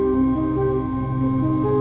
tidak ada yang tahu